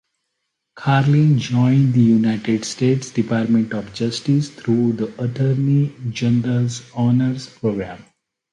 Carlin joined the United States Department of Justice through the Attorney General’s Honors Program.